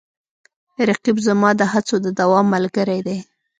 رقیب زما د هڅو د دوام ملګری دی